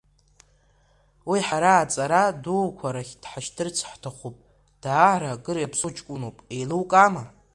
Уи ҳара аҵара дуқәа рахь дҳашьҭырц ҳҭахуп, даара акыр иаԥсоу ҷкәыноуп, еилукаама?